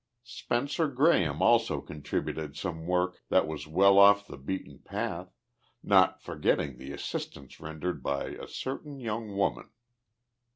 "Spencer Graham also contributed some work that was well off the beaten path not forgetting the assistance rendered by a certain young woman."